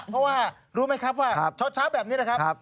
เพราะว่ารู้ไหมครับว่าเช้าแบบนี้นะครับ